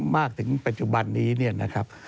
มากถึงปัจจุบันนี้เนี่ยนะครับ